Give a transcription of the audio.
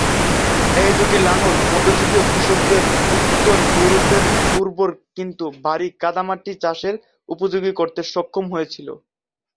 এই দুটি লাঙ্গল মধ্যযুগীয় কৃষকদের উত্তর ইউরোপের উর্বর কিন্তু ভারী কাদামাটি চাষের উপযোগী করতে সক্ষম করেছিল।